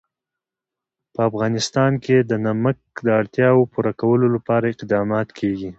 په افغانستان کې د نمک د اړتیاوو پوره کولو لپاره اقدامات کېږي.